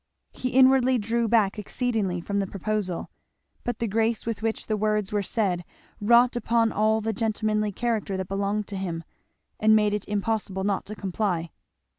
He inwardly drew back exceedingly from the proposal. But the grace with which the words were said wrought upon all the gentlemanly character that belonged to him, and made it impossible not to comply.